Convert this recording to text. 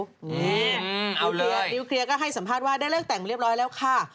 นี่เอาเลยนิวเคลียร์ก็ให้สัมภาษณ์ว่าได้เลิกแต่งเรียบร้อยแล้วค่ะ